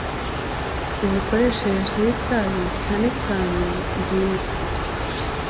imikoreshereze y itabi cyane cyane ngingo